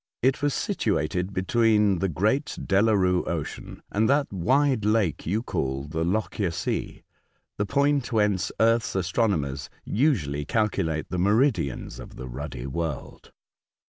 It was situated between the great Delarue Ocean, and that wide lake you call the Lockyer Sea, the point whence earth's astronomers usually cal culate the meridians of the ruddy world.